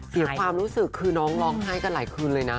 เสียความรู้สึกคือน้องร้องไห้กันหลายคืนเลยนะ